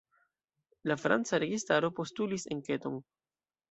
La franca registaro postulis enketon.